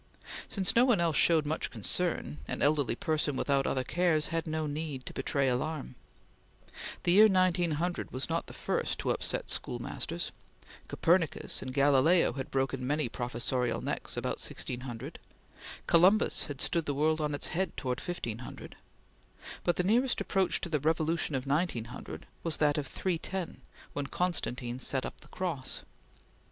Since no one else showed much concern, an elderly person without other cares had no need to betray alarm. The year 1900 was not the first to upset schoolmasters. Copernicus and Galileo had broken many professorial necks about 1600; Columbus had stood the world on its head towards 1500; but the nearest approach to the revolution of 1900 was that of 310, when Constantine set up the Cross.